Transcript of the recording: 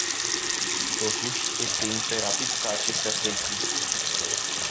Totuși, este imperativ ca acestea să existe.